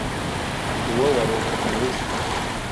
uwo wari umukino mwiza